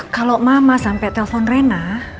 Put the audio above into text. kalau mama sampai telpon rena